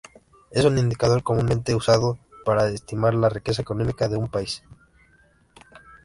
Es un indicador comúnmente usado para estimar la riqueza económica de un país.